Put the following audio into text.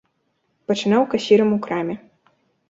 Пачынаў касірам у краме.